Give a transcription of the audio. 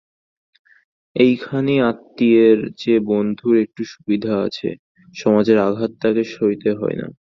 এইখানেই আত্মীয়ের চেয়ে বন্ধুর একটু সুবিধা আছে, সমাজের আঘাত তাকে সইতে হয় না।